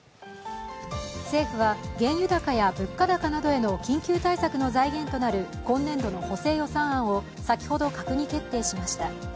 政府は原油高や物価などへの緊急対策の財源となる今年度の補正予算案を先ほど閣議決定しました。